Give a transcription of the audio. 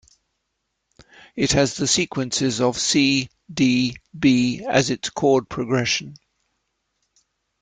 It has the sequence of C-D-B as its chord progression.